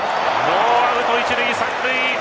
ノーアウト、一塁三塁！